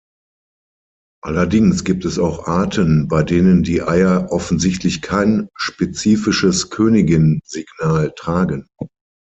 Allerdings gibt es auch Arten, bei denen die Eier offensichtlich kein spezifisches Königin-Signal tragen.